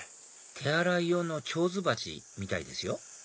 手洗い用のちょうず鉢みたいですよ